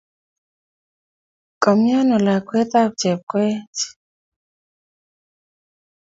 Kamiano lakwet ap Chepkoech?